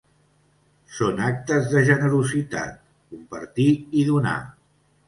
Són actes de generositat: compartir i donar.